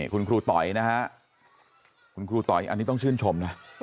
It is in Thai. คุณครูต๋อยนะฮะคุณครูต๋อยอันนี้ต้องชื่นชมนะ